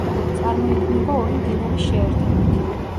წარმოიქმნება ორი მდინარის შეერთებით.